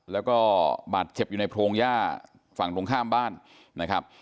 แล้วก็บาดเจ็บอยู่ในโพรงย่าฝั่งตรงข้ามบ้านนะครับ